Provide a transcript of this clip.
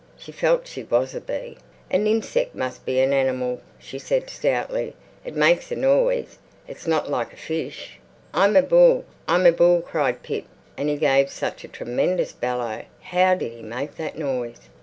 She felt she was a bee. "A ninseck must be an animal," she said stoutly. "It makes a noise. It's not like a fish." "I'm a bull, I'm a bull!" cried Pip. And he gave such a tremendous bellow—how did he make that noise?